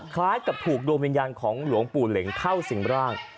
คล้ายกับถูกดวงวิญญาณของหลวงปู่เหล็งเข้าสิ่งร่าง